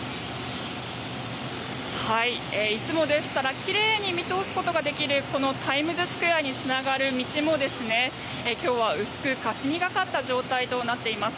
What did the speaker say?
いつもでしたらきれいに見通すことができるこのタイムズスクエアにつながる道も今日は薄くかすみがかった状態となっています。